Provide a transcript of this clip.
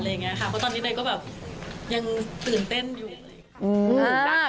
เพราะว่าตอนนี้ก็แบบยังตื่นเต้นอยู่